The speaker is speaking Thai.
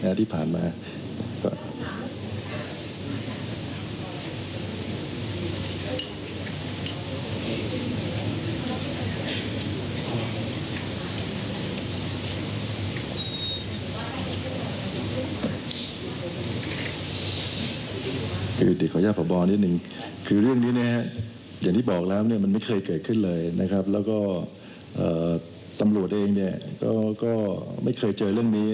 อย่างที่บอกแล้วมันไม่เคยเกิดขึ้นเลยนะครับแล้วก็ตำรวจเองก็ไม่เคยเจอเรื่องนี้